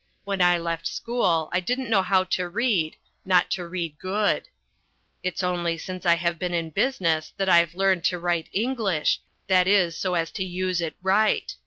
When I left school I didn't know how to read, not to read good. It's only since I've been in business that I've learned to write English, that is so as to use it right.